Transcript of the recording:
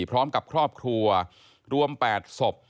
พร้อมกับครอบครัวรวม๘ศพ